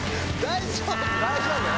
大丈夫？